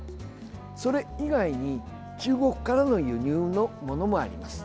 それ以外に中国からの輸入のものもあります。